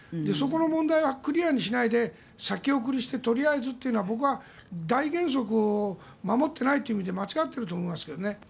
そこの問題をクリアにしないで先送りしてとりあえずというのは僕は大原則を守ってないという意味で間違ってると思います。